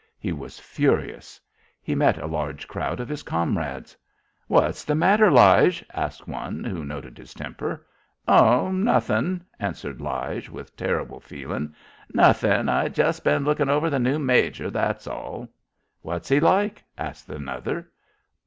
He was furious. He met a large crowd of his comrades. "What's the matter, Lige?" asked one, who noted his temper. "Oh, nothin'," answered Lige, with terrible feeling. "Nothin'. I jest been lookin' over the new major that's all." "What's he like?" asked another.